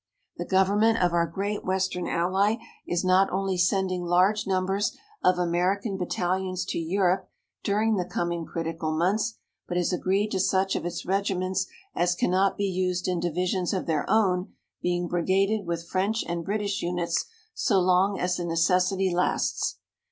"The government of our great Western ally is not only sending large numbers of American battalions to Europe during the coming critical months, but has agreed to such of its regiments as cannot be used in divisions of their own being brigaded with French and British units so long as the necessity lasts.